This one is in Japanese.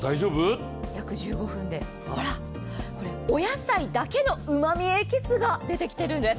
約１５分でほら、お野菜だけのうまみエキスが出てきているんです。